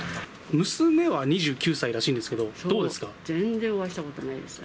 娘は２９歳らしいんですけど、全然お会いしたことないです。